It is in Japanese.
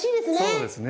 そうですね。